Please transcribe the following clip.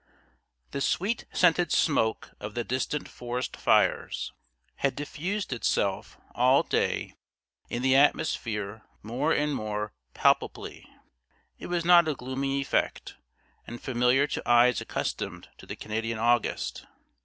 The sweet scented smoke of the distant forest fires had diffused itself all day in the atmosphere more and more palpably. It was not a gloomy effect, and familiar to eyes accustomed to the Canadian August.